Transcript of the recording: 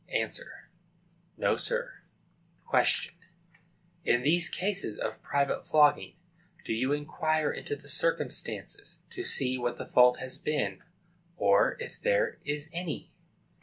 A. No, sir. Q. In these cases of private flogging, do you inquire into the circumstances, to see what the fault has been, or if there is any?